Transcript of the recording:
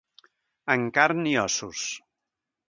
En carn i ossos.